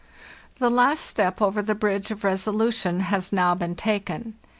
"The last step over the bridge of resolution has now been taken.